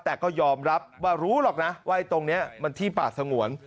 แต่ก็ยอมรับว่ารู้หรอกนะว่าตรงนี้มันที่ป่าสงวน